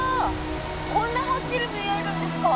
こんなはっきり見えるんですか？